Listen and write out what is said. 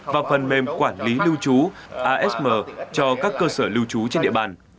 và phần mềm quản lý lưu trú asm cho các cơ sở lưu trú trên địa bàn